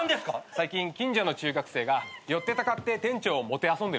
最近近所の中学生が寄ってたかって店長をもてあそんでるんですよ。